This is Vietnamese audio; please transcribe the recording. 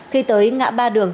khi tới ngã ba đường